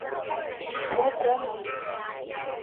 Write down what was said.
博泽蒙。